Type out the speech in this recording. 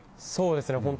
そうですね。